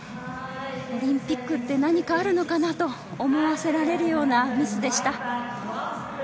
オリンピックって何かあるのかなと思わせられるようなミスでした。